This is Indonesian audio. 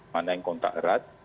mana yang kontak erat